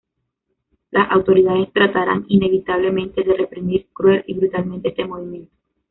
Las autoridades trataran, inevitablemente, de reprimir cruel y brutalmente este movimiento.